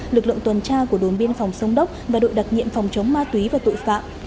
lực lượng tuần tra của đồn biên phòng sông đốc và đội đặc nhiệm phòng chống ma túy và tội phạm